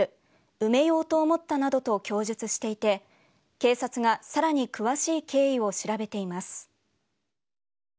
埋めようと思ったなどと供述していて警察がさらに詳しい経緯を調べています。